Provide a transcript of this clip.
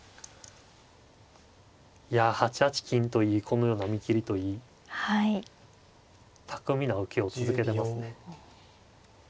いや８八金といいこのような見切りといい巧みな受けを続けてますね。